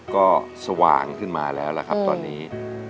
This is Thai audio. ก็สว่างขึ้นมาแล้วล่ะครับตอนนี้